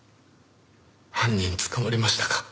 犯人捕まりましたか。